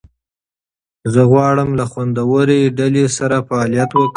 زه غواړم له خوندورې ډلې سره فعالیت وکړم.